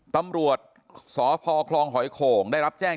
ตำรวจสพคลองหอยโข่งได้รับแจ้ง